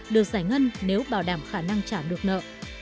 được giải ngân nếu bảo đảm khả năng trả được nợ